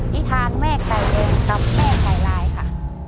นิทานแม่ไก่แดงกับแม่ไก่ลายค่ะ